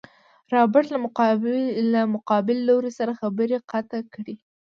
رابرټ له مقابل لوري سره خبرې قطع کړې.